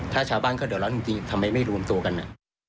ถ้าชาวบ้านก็เดี๋ยวแล้วจริงทำไมไม่รวมตัวกันน่ะ